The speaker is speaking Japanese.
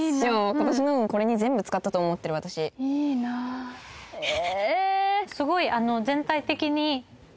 今年の運をこれに全部使ったと思ってる私いいなえ！